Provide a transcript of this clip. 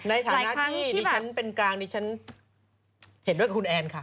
ในโรคงานในทำคิดฉันเป็นกลางนี้ฉันเห็นด้วยกับคุณแอนน์ค่ะ